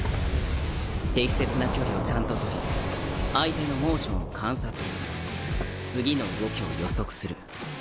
適切な距離をちゃんと取り相手のモーションを観察次の動きを予測する。